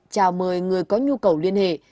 chào mời người có nhu cầu liên hệ